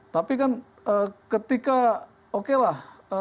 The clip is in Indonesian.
tapi kan ketika okelah